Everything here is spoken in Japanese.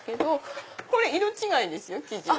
これ色違いですよ生地は。